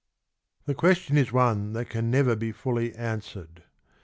21 The question is one that can never be fully answered.